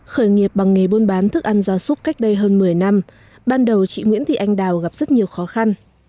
khởi nghiệp bằng nghề buôn bán thức ăn gia súc cách đây hơn một mươi năm ban đầu chị nguyễn thị anh đào gặp rất nhiều khó khăn